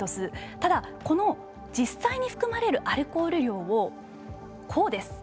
ただ、この実際に含まれるアルコール量をこうです。